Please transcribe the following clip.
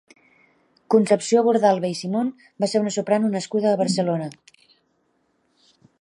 Concepció Bordalba i Simón va ser una soprano nascuda a Barcelona.